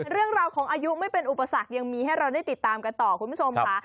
เรื่องราวของอายุไม่เป็นอุปสรรคยังมีให้เราได้ติดตามกันต่อคุณผู้ชมค่ะ